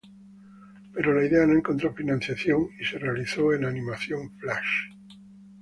Pero la idea no encontró financiación y se realizó en animación flash.